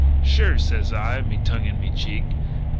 'Sure,' says I, me tongue in me cheek.